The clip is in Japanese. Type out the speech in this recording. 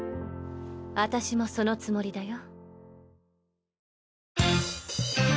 私もそのつもりだよ。